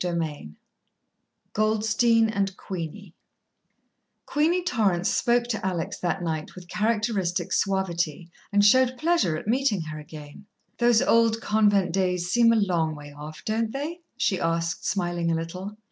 VIII Goldstein and Queenie Queenie Torrance spoke to Alex that night with characteristic suavity, and showed pleasure at meeting her again. "Those old convent days seem a long way off, don't they?" she asked, smiling a little.